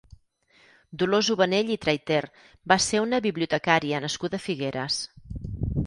Dolors Ubanell i Trayter va ser una bibliotecària nascuda a Figueres.